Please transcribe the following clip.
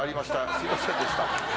すみませんでした。